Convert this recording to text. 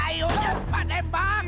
ayo tembak tembak